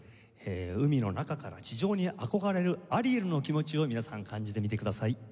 海の中から地上に憧れるアリエルの気持ちを皆さん感じてみてください。